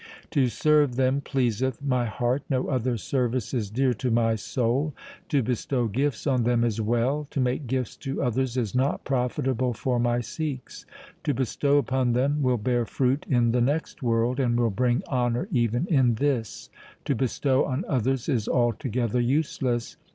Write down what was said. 2 To serve them pleaseth my heart ; no other service is dear to my soul. To bestow gifts on them is well ; to make gifts to others is not profitable for my Sikhs. To bestow upon them will bear fruit in the next world and will bring honour even in this : to bestow on others is altogether useless.